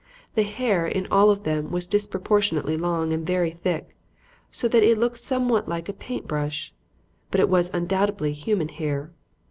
The hair in all of them was disproportionately long and very thick, so that it looked somewhat like a paint brush. But it was undoubtedly human hair.